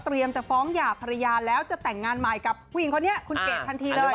จะฟ้องหย่าภรรยาแล้วจะแต่งงานใหม่กับผู้หญิงคนนี้คุณเกดทันทีเลย